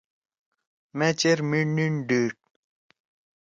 مأ چیر میِٹ نیِند ڈیڑ۔